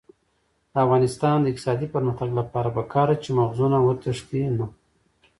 د افغانستان د اقتصادي پرمختګ لپاره پکار ده چې مغزونه وتښتي نه.